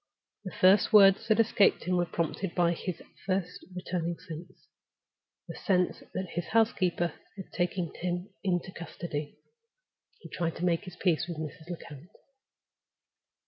The first words that escaped him were prompted by his first returning sense—the sense that his housekeeper had taken him into custody. He tried to make his peace with Mrs. Lecount.